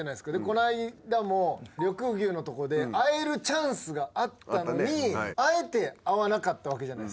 こないだも緑牛のとこで会えるチャンスがあったのにあえて会わなかったわけじゃないですか。